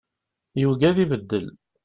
Yugi ad ibeddel.